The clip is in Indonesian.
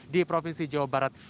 di provinsi jawa barat